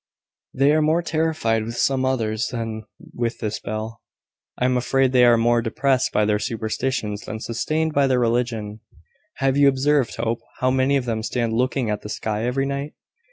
They are more terrified with some others than with this bell. I am afraid they are more depressed by their superstitions than sustained by their religion. Have you observed, Hope, how many of them stand looking at the sky every night?"